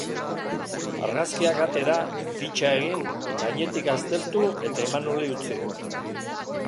Argazkiak atera, fitxa egin, gainetik aztertu eta Imanoli utzi.